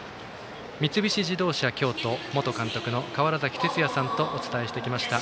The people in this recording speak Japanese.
三菱自動車京都元監督の川原崎哲也さんとお伝えしてきました。